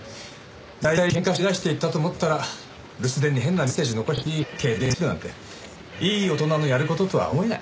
大体ケンカして飛び出していったと思ったら留守電に変なメッセージ残したっきり携帯の電源切ってるなんていい大人のやる事とは思えない。